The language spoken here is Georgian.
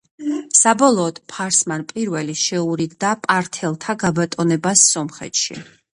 საბოლოოდ ფარსმან პირველი შეურიგდა პართელთა გაბატონებას სომხეთში.